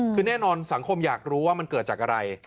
คือแน่นอนสังคมอยากรู้ว่ามันเกิดจากอะไร